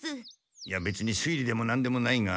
いやべつにすい理でもなんでもないが。